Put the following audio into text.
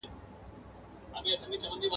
غلامان دي خپل بادار ته ډېروه یې ..